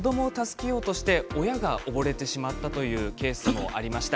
子どもを助けようとして親が溺れてしまったというケースもありました。